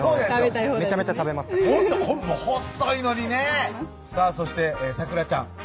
めちゃめちゃ食べます細いのにねさぁそして咲楽ちゃん